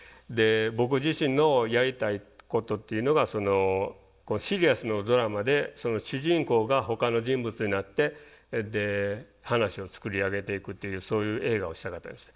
僕自身のやりたいことっていうのがシリアスのドラマで主人公がほかの人物になってで話を作り上げていくっていうそういう映画をしたかったんです。